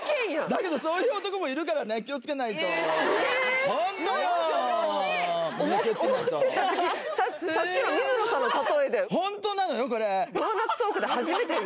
だけどそういう男もいるからね気をつけないとホントよみんな気をつけないと思ってた責任さっきの水野さんの例えでホントなのよこれ！